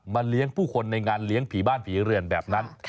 เลี้ยงผู้คนในงานเลี้ยงผีบ้านผีเรือนแบบนั้น